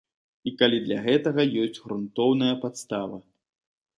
І калі для гэтага ёсць грунтоўная падстава.